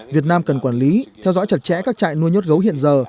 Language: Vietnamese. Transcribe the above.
việt nam cần quản lý theo dõi chặt chẽ các trại nuôi nhốt gấu hiện giờ